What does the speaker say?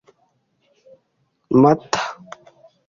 Mata